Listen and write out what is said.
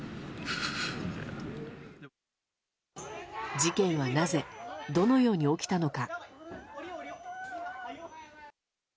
事件はなぜ、どのように起きたのか。